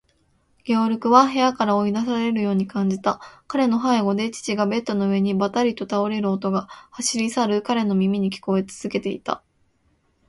ゲオルクは部屋から追い出されるように感じた。彼の背後で父がベッドの上にばたりと倒れる音が、走り去る彼の耳に聞こえつづけていた。